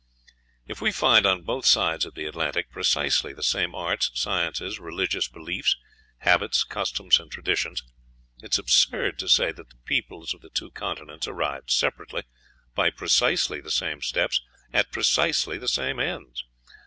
If we find on both sides of the Atlantic precisely the same arts, sciences, religious beliefs, habits, customs, and traditions, it is absurd to say that the peoples of the two continents arrived separately, by precisely the same steps, at precisely the same ends.